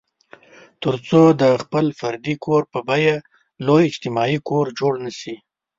تر څو د خپل فردي کور په بیه لوی اجتماعي کور جوړ نه شي.